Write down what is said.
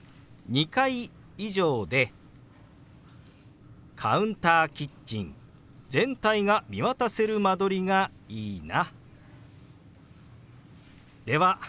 ２階以上でカウンターキッチン全体が見渡せる間取りがいいな。